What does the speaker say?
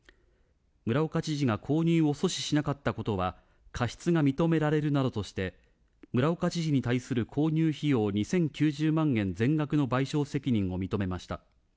村岡知事が購入を阻止しなかったことは過失が認められるなどとして、村岡知事に対する購入費用２０９０万円全額の賠償責任を認めました。